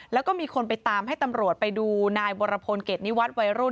แล้วก็มีคนไปตามให้ตำรวจไปดูนายวรพลเกรดนิวัตรวัยรุ่น